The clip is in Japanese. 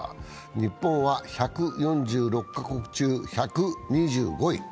日本は１４６か国中１２５位。